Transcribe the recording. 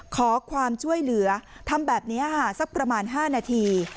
ขอความช่วยเหลือทำแบบนี้ค่ะสักประมาณ๕นาที